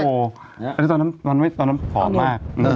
อันนี้ตอนนั้นตอนนั้นผอมมาก